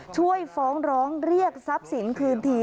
ช่วยฟ้องร้องเรียกทรัพย์สินคืนที